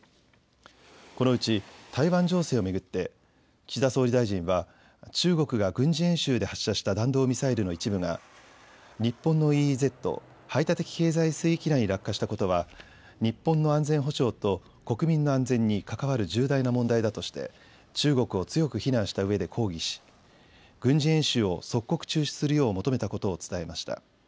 このうち台湾情勢を巡って岸田総理大臣は中国が軍事演習で発射した弾道ミサイルの一部が日本のＥＥＺ・排他的経済水域内に落下したことは日本の安全保障と国民の安全に関わる重大な問題だとして中国を強く非難したうえで抗議し軍事演習を即刻中止するよう求めたことを伝えました。